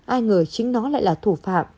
ai ngờ chính nó lại là thủ phạm